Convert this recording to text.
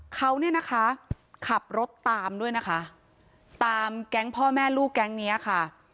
เขาเนี่ยนะคะขับรถตามด้วยนะคะตามแก๊งพ่อแม่ลูกแก๊งเนี้ยค่ะ